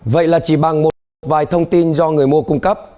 vậy là chỉ bằng một vài thông tin do người mua cung cấp